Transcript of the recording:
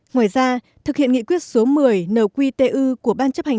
ngoài ra thực hiện nghị quyết số một mươi nầu quy tê ưu của ban chấp hành